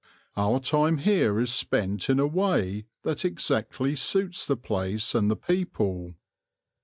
Our time here is spent in a way that exactly suits the place and the people.